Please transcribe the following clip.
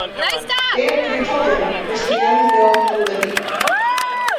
They had three children: Kristianne, Bill, and Libby.